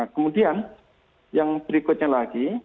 kemudian yang berikutnya lagi